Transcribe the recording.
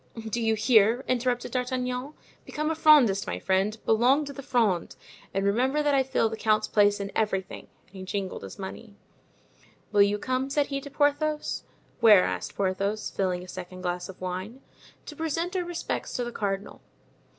"Do you hear?" interrupted D'Artagnan; "become a Frondist, my friend, belong to the Fronde, and remember that I fill the count's place in everything;" and he jingled his money. "Will you come?" said he to Porthos. "Where?" asked Porthos, filling a second glass of wine. "To present our respects to the cardinal."